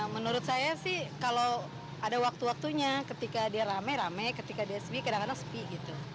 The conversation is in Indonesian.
menurut saya sih kalau ada waktu waktunya ketika dia rame rame ketika diasmi kadang kadang sepi gitu